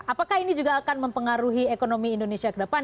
apakah ini juga akan mempengaruhi ekonomi indonesia ke depan